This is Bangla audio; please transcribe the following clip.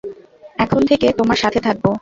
এখন থেকে তোমার সাথে থাকবো।